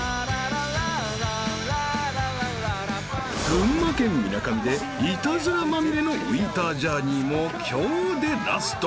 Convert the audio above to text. ［群馬県みなかみでイタズラまみれのウィンタージャーニーも今日でラスト］